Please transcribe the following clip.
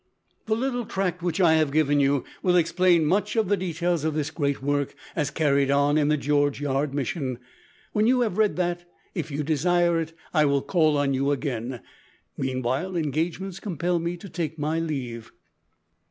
"The little tract which I have given you will explain much of the details of this great work, as carried on in the George Yard Mission. When you have read that, if you desire it, I will call on you again. Meanwhile engagements compel me to take my leave."